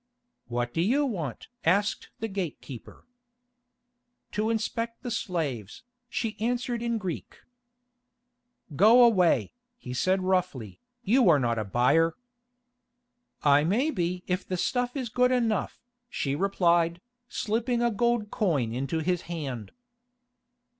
"What do you want?" asked the gatekeeper. "To inspect the slaves," she answered in Greek. "Go away," he said roughly, "you are not a buyer." "I may be if the stuff is good enough," she replied, slipping a gold coin into his hand.